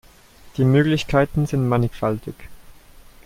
Die Möglichkeiten sind mannigfaltig.